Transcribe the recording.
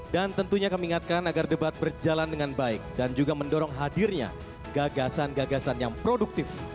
dan tentunya kami ingatkan agar debat berjalan dengan baik dan juga mendorong hadirnya gagasan gagasan yang produktif